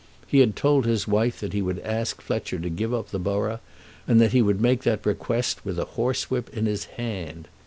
He had told his wife that he would ask Fletcher to give up the borough, and that he would make that request with a horsewhip in his hand.